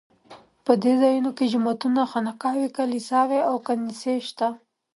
په دې ځایونو کې جوماتونه، خانقاوې، کلیساوې او کنیسې شته.